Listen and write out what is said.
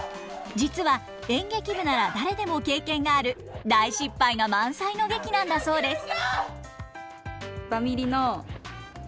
実は演劇部なら誰でも経験がある大失敗が満載の劇なんだそうです。